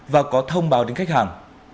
và có thông báo đến khách hàng